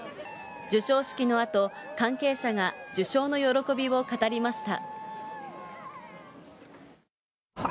授賞式のあと、関係者が受賞の喜びを語りました。